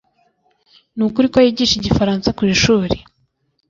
Nukuri ko yigisha igifaransa kwishuri.